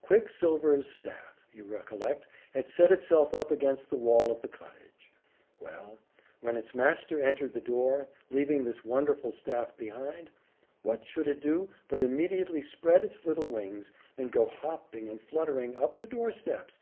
Quicksilver's staff, you recollect, had set itself up against the wall of the cottage. Well; when its master entered the door, leaving this wonderful staff behind, what should it do but immediately spread its little wings, and go hopping and fluttering up the door steps!